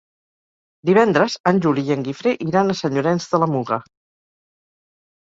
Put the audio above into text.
Divendres en Juli i en Guifré iran a Sant Llorenç de la Muga.